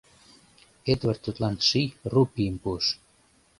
Эдвард тудлан ший рупийым пуыш.